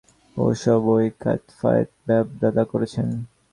ও-সব ঐ কায়েতফায়েতের বাপ-দাদা করেছে।